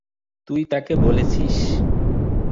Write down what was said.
তুই তাকে বলেছিস?